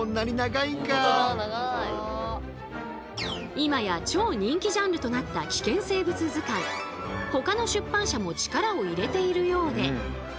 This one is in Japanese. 今や超人気ジャンルとなった危険生物図鑑ほかの出版社も力を入れているようで。